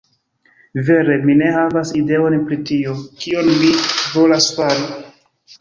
Vere, mi ne havas ideon, pri tio, kion mi volas fari.